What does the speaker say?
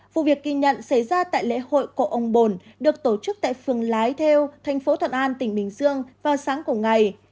vụ việc kỳ nhận xảy ra tại lễ hội cộ ông bồn được tổ chức tại phường lái theo tp thuận an tỉnh bình dương vào sáng cùng ngày